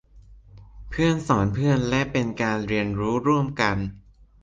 เพื่อนสอนเพื่อน และเป็นการเรียนรู้ร่วมกัน